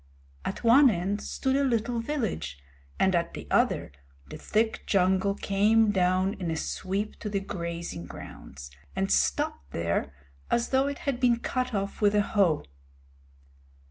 At one end stood a little village, and at the other the thick jungle came down in a sweep to the grazing grounds, and stopped there as though it had been cut off with a hoe.